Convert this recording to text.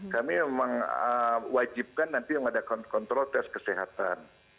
kami memang wajibkan nanti yang ada kontrol tes kesehatan